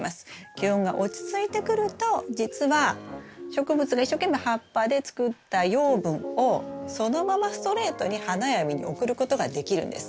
気温が落ち着いてくるとじつは植物が一生懸命葉っぱで作った養分をそのままストレートに花や実に送ることができるんです。